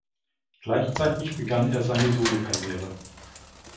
Gleichzeitig begann er seine Solokarriere.